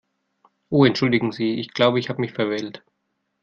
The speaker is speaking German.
Oh entschuldigen Sie, ich glaube, ich habe mich verwählt.